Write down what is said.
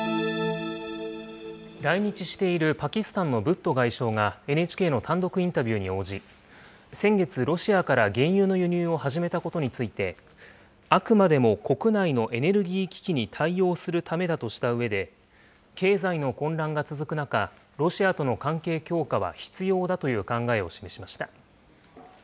来日しているパキスタンのブット外相が、ＮＨＫの単独インタビューに応じ、先月、ロシアから原油の輸入を始めたことについて、あくまでも国内のエネルギー危機に対応するためだとしたうえで、経済の混乱が続く中、ロシアとの関係強化は必要だという考えを示しました。